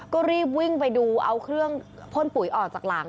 ก็รีบวิ่งไปดูเอาเครื่องพ่นปุ๋ยออกจากหลัง